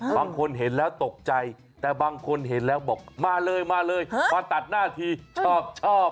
บางคนเห็นแล้วตกใจแต่บางคนเห็นแล้วบอกมาเลยมาเลยมาตัดหน้าทีชอบ